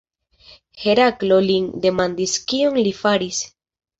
Heraklo lin demandis kion li faris.